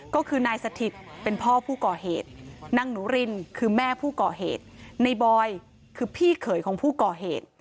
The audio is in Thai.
ก็คือนายสถิตเป็นพ่อผู้ก่อเหตุนางหนูรินคือแม่ผู้ก่อเหตุในบอยคือพี่เขยของผู้ก่อเหตุ